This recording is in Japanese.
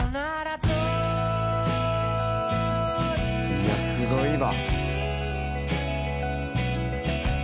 「いやすごいわ」